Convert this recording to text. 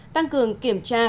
tăng cường kiểm tra